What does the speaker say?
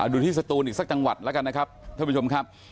ดูที่ศตูนอีกสักจังหวัดแล้วกันนะครับ